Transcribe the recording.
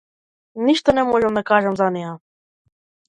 Ништо не можам да кажам за неа.